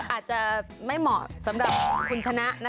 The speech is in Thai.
อาจจะไม่เหมาะสำหรับคุณชนะ